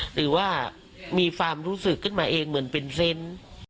หรือว่ามีความรู้สึกขึ้นมาเองเหมือนเป็นเซนต์